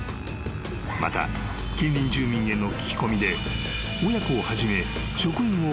［また近隣住民への聞き込みで］